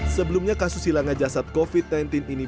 sebelumnya kasus hilangnya jasad covid sembilan belas ini